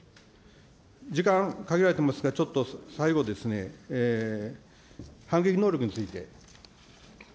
時間限られてますが、ちょっと最後ですね、反撃能力について。